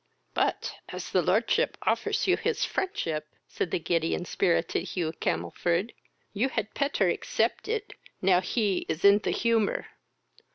"But, as his lordship offers you his friendship, (said the giddy and spirited Hugh Camelford,) you had petter accept it now he in the the humour.